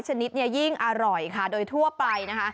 ชนิดเนี่ยยิ่งอร่อยค่ะโดยทั่วไปนะคะ